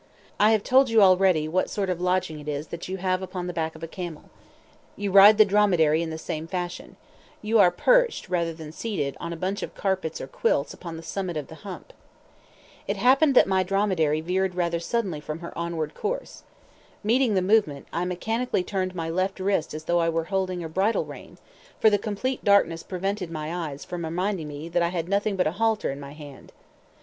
I have told you already what sort of lodging it is that you have upon the back of a camel. You ride the dromedary in the same fashion; you are perched rather than seated on a bunch of carpets or quilts upon the summit of the hump. It happened that my dromedary veered rather suddenly from her onward course. Meeting the movement, I mechanically turned my left wrist as though I were holding a bridle rein, for the complete darkness prevented my eyes from reminding me that I had nothing but a halter in my hand.